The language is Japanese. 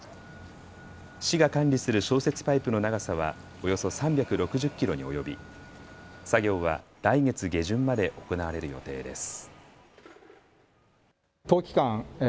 市が管理する消雪パイプの長さはおよそ３６０キロに及び、作業は来月下旬まで行われる予定です。